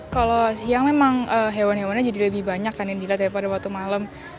kalau siang memang hewan hewannya jadi lebih banyak kan yang dilihat daripada waktu malam